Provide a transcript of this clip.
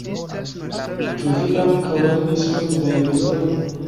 Ĉu vi ankaŭ lernis fremdajn lingvojn?